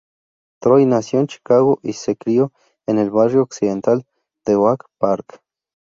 Troy nació en Chicago y se crio en el barrio occidental de Oak Park.